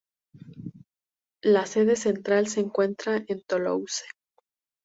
La sede central se encuentra en Toulouse.